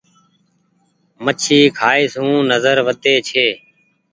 مڇي کآئي سون نزر وڌي ڇي۔